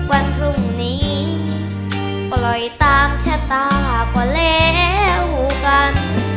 วันพรุ่งนี้ปล่อยตามชะตาก็แล้วกัน